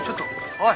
おい！